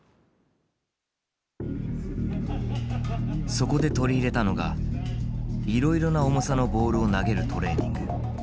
そこで取り入れたのがいろいろな重さのボールを投げるトレーニング。